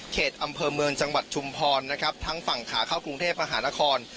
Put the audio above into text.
อำเภอเมืองจังหวัดชุมพรนะครับทั้งฝั่งขาเข้ากรุงเทพมหานคร